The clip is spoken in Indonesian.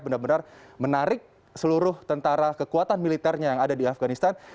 benar benar menarik seluruh tentara kekuatan militernya yang ada di afganistan